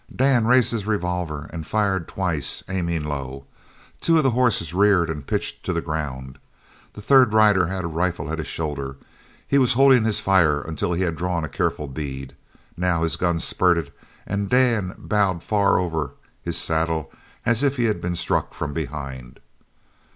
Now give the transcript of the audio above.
Dan raised his revolver and fired twice, aiming low. Two of the horses reared and pitched to the ground. The third rider had a rifle at his shoulder. He was holding his fire until he had drawn a careful bead. Now his gun spurted and Dan bowed far over his saddle as if he had been struck from behind.